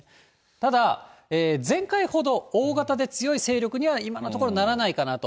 ただ前回ほど大型で強い勢力には、今のところならないかなと。